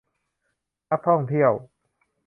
นักท่องเที่ยว